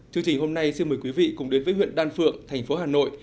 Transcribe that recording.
chương trình hôm nay xin mời quý vị cùng đến với huyện đan phượng thành phố hà nội